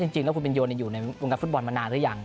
จริงแล้วคุณเป็นโยนอยู่ในวงการฟุตบอลมานานหรือยัง